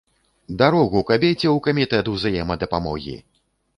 Дарогу кабеце ў камітэт узаемадапамогі!